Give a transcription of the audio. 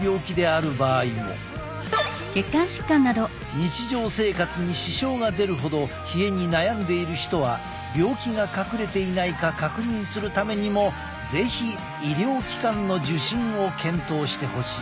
日常生活に支障が出るほど冷えに悩んでいる人は病気が隠れていないか確認するためにも是非医療機関の受診を検討してほしい。